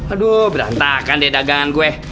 aduh berantakan deh dagangan gue